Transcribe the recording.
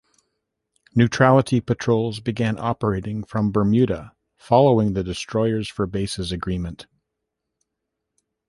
Neutrality Patrols began operating from Bermuda following the Destroyers for Bases Agreement.